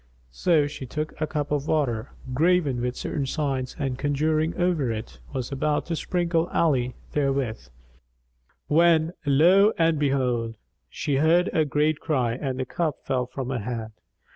So she took a cup of water, graven with certain signs and conjuring over it, was about to sprinkle Ali therewith, when lo and behold! she heard a great cry and the cup fell from her hand.